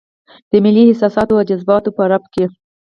د ملي احساساتو او جذباتو په رپ کې.